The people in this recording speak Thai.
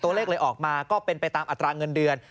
ตัวเลขเลยออกมาก็เป็นไปตามอัตราเงินเดือน